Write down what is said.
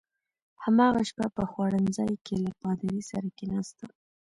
هماغه شپه په خوړنځای کې له پادري سره کېناستم.